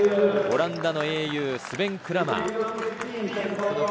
オランダの英雄、スベン・クラマー。